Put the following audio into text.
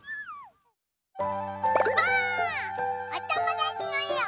おともだちのえを。